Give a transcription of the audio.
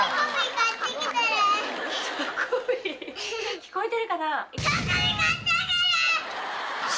聞こえてるかな？